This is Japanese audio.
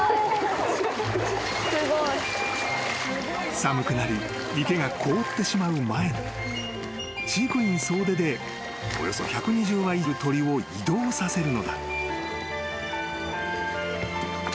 ［寒くなり池が凍ってしまう前に飼育員総出でおよそ１２０羽いる鳥を移動させるのだ］